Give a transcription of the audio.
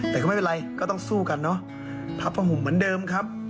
แต่ก็ไม่เป็นไรก็ต้องสู้กันเนอะพับผ้าห่มเหมือนเดิมครับ